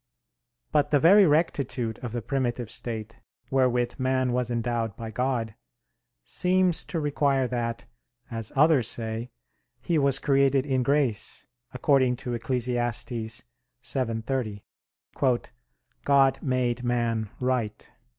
But the very rectitude of the primitive state, wherewith man was endowed by God, seems to require that, as others say, he was created in grace, according to Eccles. 7:30, "God made man right."